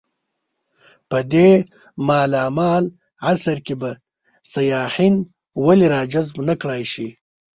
په دې مالامال عصر کې به سیاحین ولې راجذب نه کړای شي.